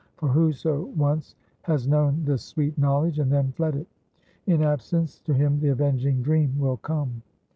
For whoso once has known this sweet knowledge, and then fled it; in absence, to him the avenging dream will come.